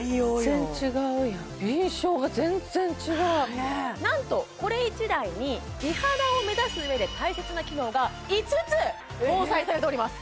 全然違うやん印象が全然違う何とこれ１台に美肌を目指すうえで大切な機能が５つ搭載されております